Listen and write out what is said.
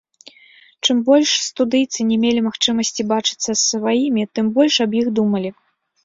Чым больш студыйцы не мелі магчымасці бачыцца з сваімі, тым больш аб іх думалі.